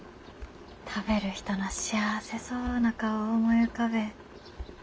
食べる人の幸せそうな顔を思い浮かべえ。